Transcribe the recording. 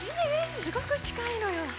すごく近いのよ。